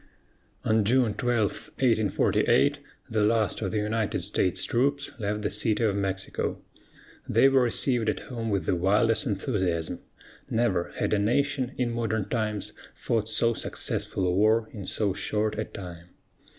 On June 12, 1848, the last of the United States troops left the City of Mexico. They were received at home with the wildest enthusiasm. Never had a nation, in modern times, fought so successful a war in so short a time.